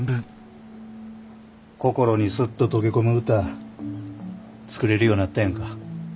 心にスッと溶け込む歌作れるようなったやんか。